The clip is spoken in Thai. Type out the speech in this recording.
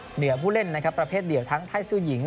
เหนือผู้เล่นนะครับประเภทเดียวทั้งไทยซื่อหญิง